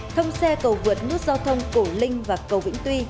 thông xe cầu vượt nút giao thông cổ linh và cầu vĩnh tuy